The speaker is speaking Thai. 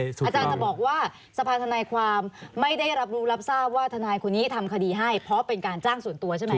อาจารย์จะบอกว่าสภาธนายความไม่ได้รับรู้รับทราบว่าทนายคนนี้ทำคดีให้เพราะเป็นการจ้างส่วนตัวใช่ไหม